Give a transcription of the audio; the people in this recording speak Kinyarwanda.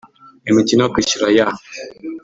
Imikino yo kwishyura ya /